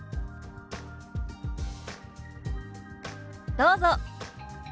どうぞ。